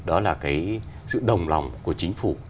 đó là sự đồng lòng của chính phủ